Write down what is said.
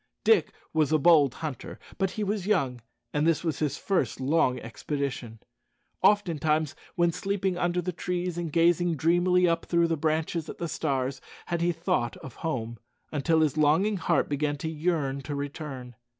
Dick was a bold hunter; but he was young, and this was his first long expedition. Oftentimes, when sleeping under the trees and gazing dreamily up through the branches at the stars, had he thought of home, until his longing heart began to yearn to return.